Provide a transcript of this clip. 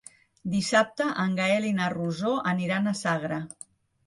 Dissabte en Gaël i na Rosó aniran a Sagra.